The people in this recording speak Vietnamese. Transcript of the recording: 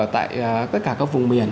tại tất cả các vùng miền